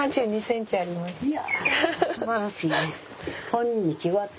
こんにちはって。